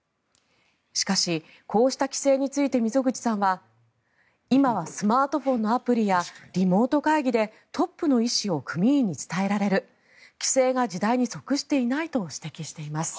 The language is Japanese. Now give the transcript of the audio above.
しかし、こうした規制について溝口さんは今はスマートフォンのアプリやリモート会議でトップの意思を組員に伝えられる規制が時代に即していないと指摘しています。